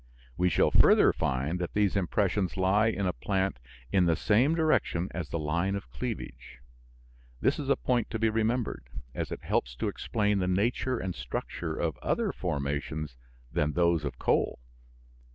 We shall further find that these impressions lie in a plant in the same direction as the line of cleavage. This is a point to be remembered, as it helps to explain the nature and structure of other formations than those of coal.